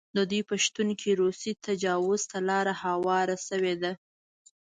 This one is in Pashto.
د دوی په شتون کې روسي تجاوز ته لاره هواره شوې وه.